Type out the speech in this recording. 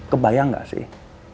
kebayang gak sih